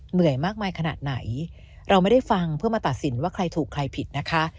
เหนื่อยมากมายขนาดไหนเราไม่ได้ฟังเพื่อมาตัดสินว่าใครถูกใครผิดนะคะ